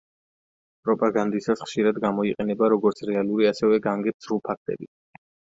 პროპაგანდისა ხშირად გამოიყენება როგორც რეალური, ასევე განგებ ცრუ ფაქტები.